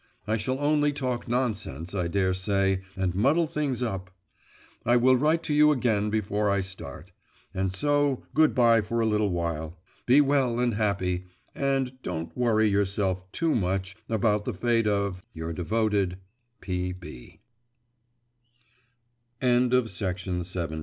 I shall only talk nonsense, I dare say, and muddle things up. I will write to you again before I start. And so good bye for a little while. Be well and happy, and don't worry yourself too much about the fate of your devoted, P. B.